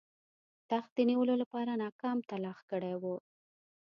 تخت د نیولو لپاره ناکام تلاښ کړی وو.